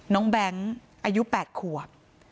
น้องแบงค์อายุ๘ขวบ